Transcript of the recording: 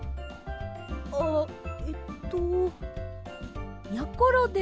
あっえっとやころです。